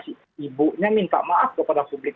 si ibunya minta maaf kepada publik